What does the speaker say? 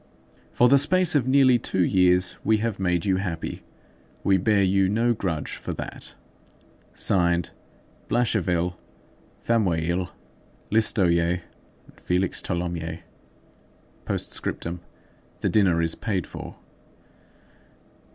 "For the space of nearly two years we have made you happy. We bear you no grudge for that. "Signed: BLACHEVELLE. FAMUEIL. LISTOLIER. FÉLIX THOLOMYÈS. "Postscriptum. The dinner is paid for."